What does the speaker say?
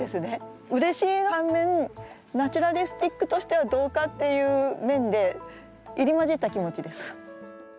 うれしい反面ナチュラリスティックとしてはどうかっていう面で入り交じった気持ちです。